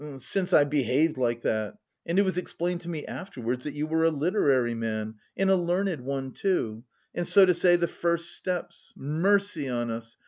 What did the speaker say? since I behaved like that... it was explained to me afterwards that you were a literary man... and a learned one too... and so to say the first steps... Mercy on us!